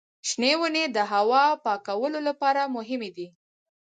شنې ونې د هوا پاکولو لپاره مهمې دي.